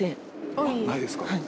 あっないですか。